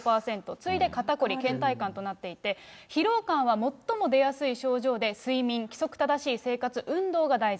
次いで肩凝り、けん怠感となっていて、疲労感は最も出やすい症状で、睡眠、規則正しい生活、運動が大事。